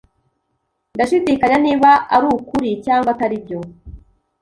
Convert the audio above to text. Ndashidikanya niba arukuri cyangwa atari byo.